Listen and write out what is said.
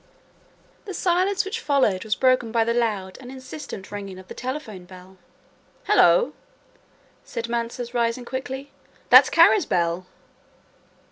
The silence which followed was broken by the loud and insistent ringing of the telephone bell. "Hullo," said Mansus rising quickly; "that's Kara's bell."